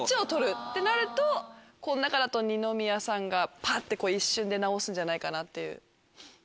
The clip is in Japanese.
ってなるとこの中だと二宮さんがパッて一瞬で直すんじゃないかなっていう。